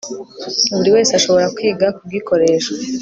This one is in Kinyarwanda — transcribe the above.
buri wese ashobora kwiga kugikoresha